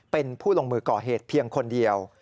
เป็นผู้ลงมือก่อเหตุเพียงคนเดียว